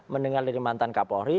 mendengar dari mantan kapolri